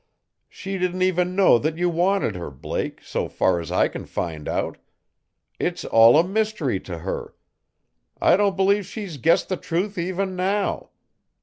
"She didn't even know that you wanted her, Blake, so far as I can find out. It's all a mystery to her. I don't believe she's guessed the truth even now.